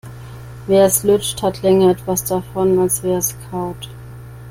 Wer es lutscht, hat länger etwas davon, als wer es kaut.